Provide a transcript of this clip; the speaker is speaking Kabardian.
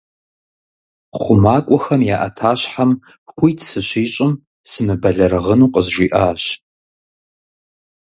ХъумакӀуэхэм я Ӏэтащхьэм хуит сыщищӀым, сымыбэлэрыгъыну къызжиӀащ.